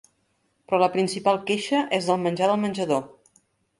Però la principal queixa és del menjar del menjador.